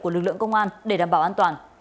của lực lượng công an để đảm bảo an toàn